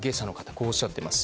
こうおっしゃっています。